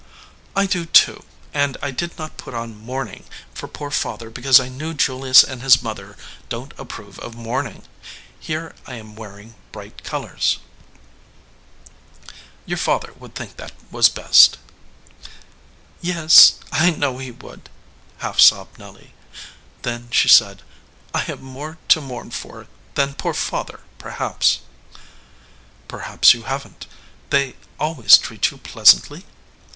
"I do, too, and I did not put on mourning for poor father because I knew Julius and his mother don t approve of mourning. Here I am wearing bright colors." 14 201 EDGEWATER PEOPLE "Your father would think that was best." "Yes, I know he would," half sobbed Nelly. Then she said, "I have more to mourn for than poor father, perhaps." "Perhaps you haven t. They always treat you pleasantly?"